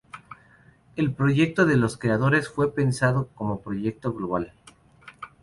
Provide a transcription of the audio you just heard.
El proyecto de "Los creadores" fue pensado como proyecto global.